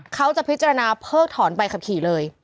เขาจะพิจารณาเพิกถอนใบขับขี่เลย